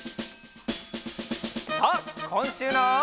さあこんしゅうの。